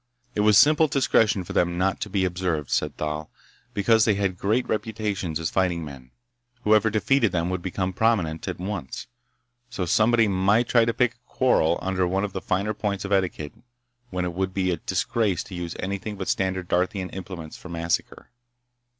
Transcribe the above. It was simple discretion for them not to be observed, said Thal, because they had great reputations as fighting men. Whoever defeated them would become prominent at once. So somebody might try to pick a quarrel under one of the finer points of etiquette when it would be disgrace to use anything but standard Darthian implements for massacre.